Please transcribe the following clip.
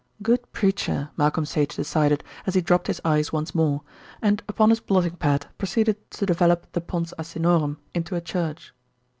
"Good preacher," Malcolm Sage decided as he dropped his eyes once more, and upon his blotting pad proceeded to develop the Pons Asinorum into a church.